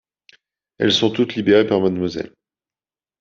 Elles sont toutes libérées par Ms.